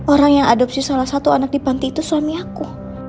orang yang adopsi salah satu anak di panti itu suami aku